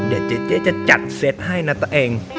เดี๋ยวเจ๊จะจัดเซตให้นะตัวเอง